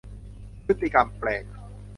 พฤติกรรมแปลก